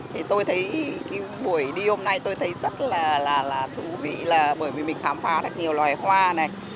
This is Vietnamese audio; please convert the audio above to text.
thì tôi thấy cái buổi đi hôm nay tôi thấy rất là thú vị là bởi vì mình khám phá được nhiều loài hoa này